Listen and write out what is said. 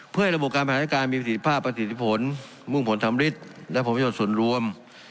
เพื่อให้ระบบการปรับสมดุลการมีผลิตภาพผลิตผลมุ่งผลธรรมฤทธิ์และผลพยาบาทส่วนรวม